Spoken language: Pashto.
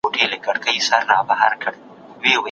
ټولنه بايد د عدالت پر بنسټ ولاړه وي.